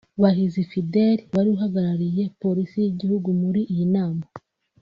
Bahizi Fidèle wari uhagarariye Polisi y’Igihugu muri iyi nama